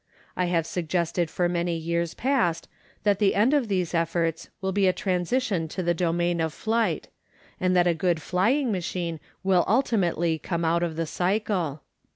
I have suggested for many years past that the end of these efforts will be a transition to the domain of flight, and that a good flying machine will ultimately come out of the cycle.